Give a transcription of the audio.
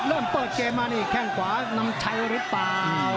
เริ่มเปิดเกมมานี่แข้งขวานำชัยหรือเปล่า